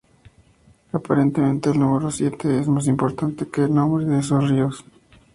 Aparentemente el número siete es más importante que el nombre de esos ríos.